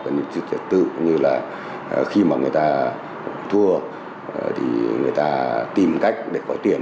những trật tự như là khi mà người ta thua thì người ta tìm cách để có tiền